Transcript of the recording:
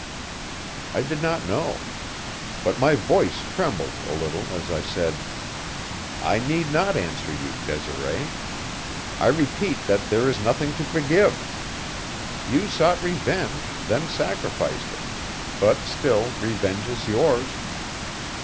I did not know. But my voice trembled a little as I said: "I need not answer you, Desiree. I repeat that there is nothing to forgive. You sought revenge, then sacrificed it; but still revenge is yours."